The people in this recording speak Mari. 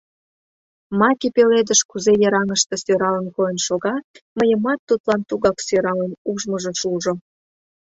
Маке пеледыш кузе йыраҥыште сӧралын койын шога, мыйымат тудлан тугак сӧралын ужмыжо шужо!